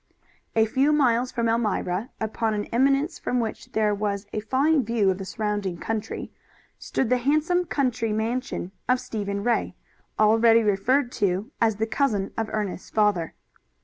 A few miles from Elmira, upon an eminence from which there was a fine view of the surrounding country, stood the handsome country mansion of Stephen Ray, already referred to as the cousin of Ernest's father.